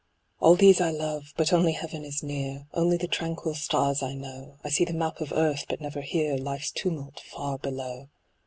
All these I love, but only heaven is near, Only the tranquil stars I know ; I see the map of earth, but never hear Life's tumult far below.